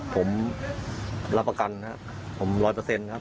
ผมรับประกันครับผมร้อยเปอร์เซ็นต์ครับ